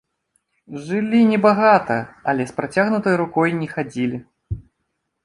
Жылі не багата, але з працягнутай рукой не хадзілі.